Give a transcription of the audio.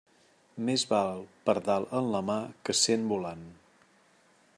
Més val pardal en la mà que cent volant.